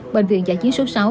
bệnh viện giải chiến số sáu